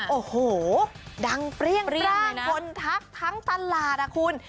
โอ้โหดังเปรี้ยงร่างคนทักทั้งตลาดอ่ะคุณ